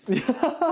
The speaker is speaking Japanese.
ハハハ。